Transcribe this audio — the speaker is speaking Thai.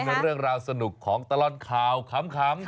เป็นเรื่องราวสนุกของตลอดข่าวขำ